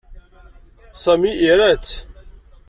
Sami ira-tt.